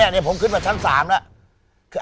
นี่ผมขึ้นมาชั้น๓แล้ว